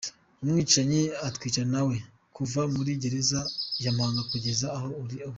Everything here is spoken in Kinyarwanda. Umwica atwicana nawe.” Kuva muri gereza ya Mpanga kugeza aho ari ubu.